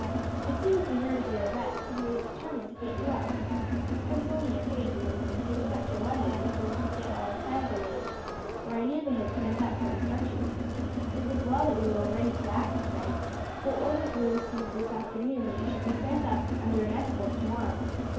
As soon as we heard of your arrest we determined to get you out. I was only afraid you would have been taken up to London before we could get all our plans arranged, for I knew they had sent up for instructions. It was well that we were ready to act tonight, for orders were received this afternoon that you should be sent up under an escort tomorrow.